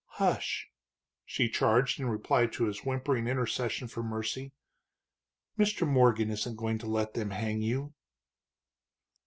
"Hush!" she charged, in reply to his whimpering intercession for mercy. "Mr. Morgan isn't going to let them hang you."